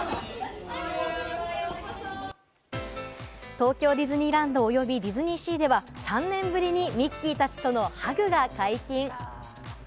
東京ディズニーランド及び、ディズニーシーでは３年ぶりにミッキーたちとのハグが解禁。